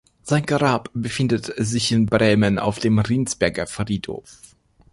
Sein Grab befindet sich in Bremen auf dem Riensberger Friedhof.